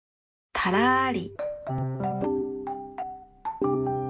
たらり。